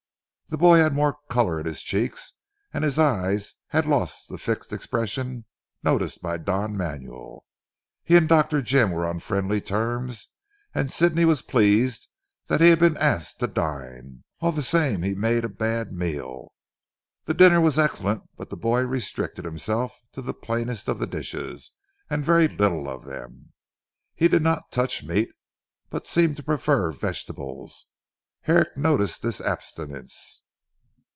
The boy had more colour in his cheeks, and his eyes had lost the fixed expression noticed by Don Manuel. He and Dr. Jim were on friendly terms and Sidney was pleased that he had been asked to dine. All the same he made a bad meal. The dinner was excellent but the boy restricted himself to the plainest of the dishes and very little of them. He did not touch meat but seemed to prefer vegetables. Herrick noticed this abstinence.